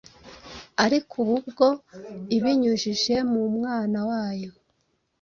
ariko ubu bwo ibinyujije mu Mwana wayo,